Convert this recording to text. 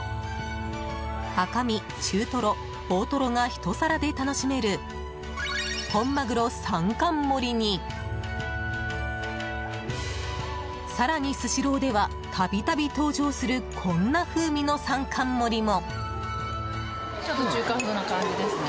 赤身、中トロ、大トロが１皿で楽しめる本鮪３貫盛りに更にスシローでは、度々登場するこんな風味の３貫盛りも！